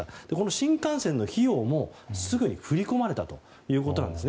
新幹線の費用もすぐに振り込まれたということです。